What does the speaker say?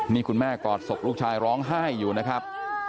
นี่คุณแม่กอดศพลูกชายร้องไห้อยู่นะครับ